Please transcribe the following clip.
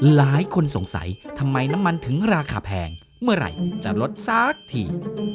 หลายคนสงสัยทำไมน้ำมันถึงราคาแพงเมื่อไหร่จะลดสักที